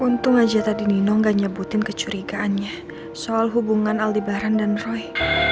untung aja tadi nino nggak nyebutin kecurigaannya soal hubungan aldi bahran dan roy